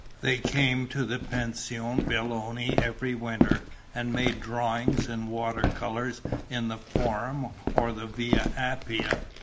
They came to the Pension Belloni every winter and made drawings in water colours in the Forum or the Via Appia.